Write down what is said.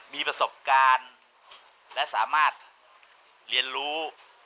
มีประสบการณ์และสามารถเรียนรู้